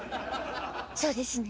そうですね。